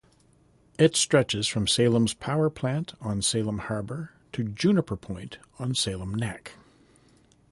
It stretches from Salem's powerplant on Salem Harbor to Juniper Point on Salem Neck.